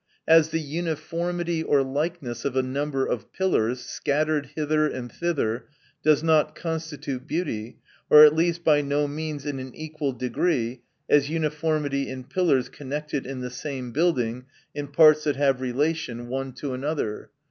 As, the uniformity or likeness of a number of pillars, scattered hither and thith er, does not constitute beauty, or at least by no means in an equal degree as uniformity in pillars connected in the same building, in parts that have relation one to another.